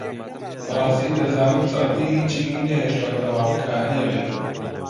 ! بەڕاستی دەزانم سەعدی هیچی نەهێشتۆتەوە کە نەیڵێت